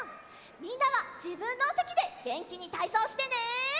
みんなはじぶんのおせきでげんきにたいそうしてね！